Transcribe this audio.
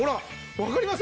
わかります？